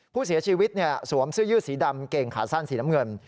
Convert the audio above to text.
ผู้เสียชีวิตสวมเสื้อยืดสีดำเกงขาสั้นสีน้ำเงิน